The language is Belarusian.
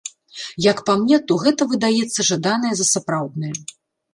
Як па мне, то гэта выдаецца жаданае за сапраўднае.